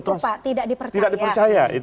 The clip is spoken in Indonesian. trus tidak dipercaya